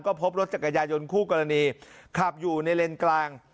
ก็พบรถจักรยายนคู่กรณีขับอยู่ในเลนกลาง